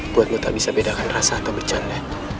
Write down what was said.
buatmu tak bisa bedakan rasa atau bercanda